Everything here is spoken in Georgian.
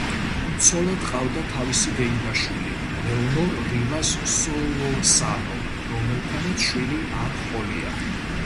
ცოლად ჰყავდა თავისი დეიდაშვილი ლეონორ რივას სოლორსანო, რომელთანაც შვილი არ ჰყოლია.